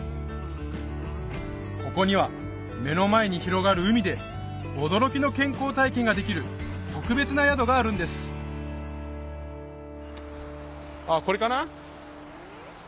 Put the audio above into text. ここには目の前に広がる海で驚きの健康体験ができる特別な宿があるんですこれかな？